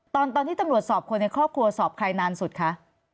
ตอนที่ตำรวจสอบคนในครอบครัวสอบใครนานสุดคะ